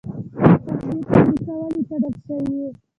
د پنبې فابریکې ولې تړل شوې وې؟